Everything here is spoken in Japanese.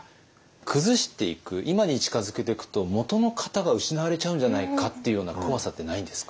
崩していく今に近づけてくともとの型が失われちゃうんじゃないかっていうような怖さってないんですか？